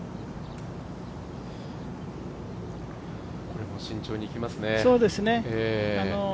これも慎重にいきますね。